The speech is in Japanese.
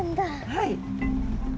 はい。